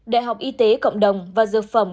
đại học y tế cộng đồng và dược phẩm